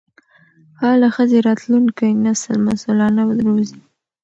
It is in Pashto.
فعاله ښځې راتلونکی نسل مسؤلانه روزي.